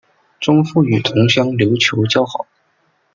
钟复与同乡刘球交好。